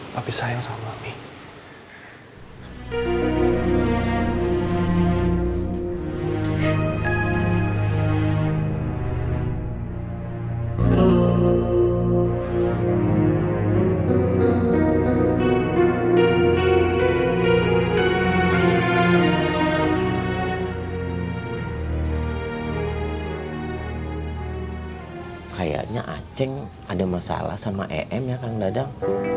kayaknya acing ada masalah sama em ya kang dadang